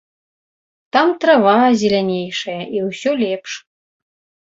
Там трава зелянейшая і ўсё лепш.